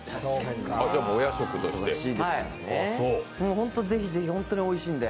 ほんとぜひぜひ本当においしいんで。